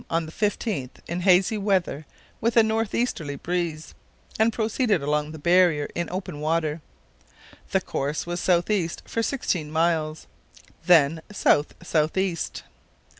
on the 15th in hazy weather with a north easterly breeze, and proceeded along the barrier in open water. The course was south east for sixteen miles, then south south east.